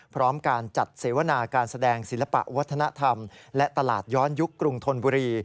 พร้อมการจัดเสวนาการแสดงศิลปะวัฒนธรรมและตลาดย้อนยุคกรุงธนบุรี